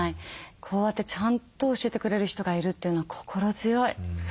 こうやってちゃんと教えてくれる人がいるというのは心強い。